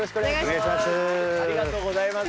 ありがとうございます。